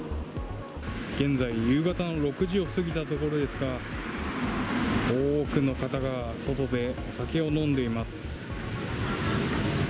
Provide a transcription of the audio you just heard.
現在、夕方の６時を過ぎたところですが、多くの方が外で酒を飲んでいます。